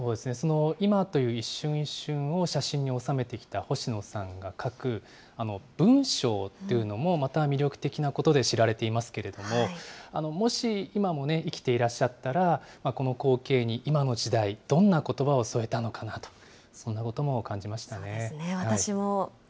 今という一瞬一瞬を写真に収めてきた星野さんが書く文章っていうのも、また魅力的なことで知られていますけれども、もし今も生きていらっしゃったら、この光景に、今の時代、どんなことばを添えたのかなと、そんなことも感じましたね。